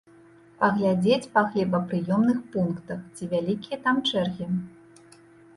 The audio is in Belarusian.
Паглядзець на хлебапрыёмных пунктах, ці вялікія там чэргі.